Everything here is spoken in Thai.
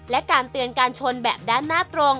และการเตือนการชนแบบด้านหน้าตรง